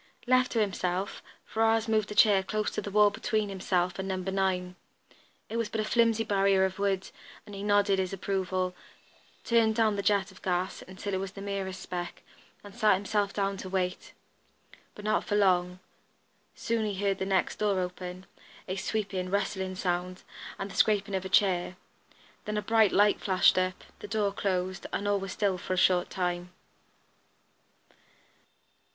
Left to himself, Ferrars moved a chair close to the wall between himself and number nine. It was but a flimsy barrier of wood and he nodded his approval, turned down the jet of gas, until it was the merest speck, and sat himself down to wait. But not for long; soon he heard the next door open, a sweeping, rustling sound, and the scraping of a chair. Then a bright light flashed up, the door closed, and all was still for a short time.